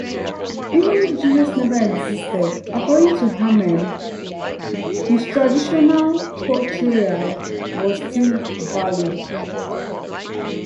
Even if Jesus never existed, according to Herrmann, his traditional portrayal was still valid.